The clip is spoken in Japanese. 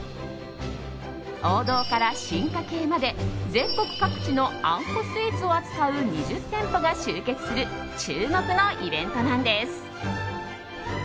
王道から進化形まで全国各地のあんこスイーツを扱う２０店舗が集結する注目のイベントなんです。